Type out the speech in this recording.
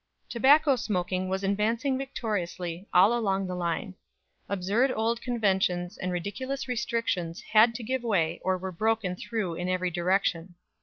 Tobacco smoking was advancing victoriously all along the line. Absurd old conventions and ridiculous restrictions had to give way or were broken through in every direction.